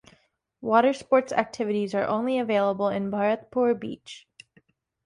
Water Sports Activities are only available in Bharatpur Beach.